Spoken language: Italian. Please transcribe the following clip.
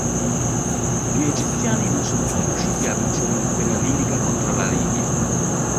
Gli egiziani non sono mai riusciti a vincere in terra libica contro la Libia.